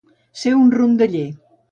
Ser un rondaller.